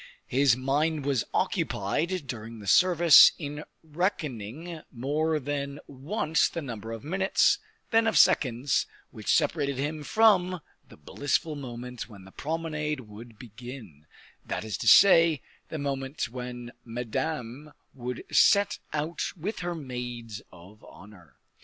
His mind was occupied during the service in reckoning more than once the number of minutes, then of seconds, which separated him from the blissful moment when the promenade would begin, that is to say, the moment when Madame would set out with her maids of honor.